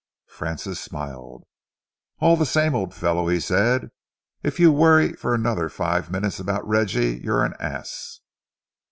Francis smiled. "All the same, old fellow," he said, "if you worry for another five minutes about Reggie, you're an ass."